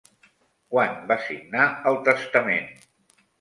Quan va signar el testament?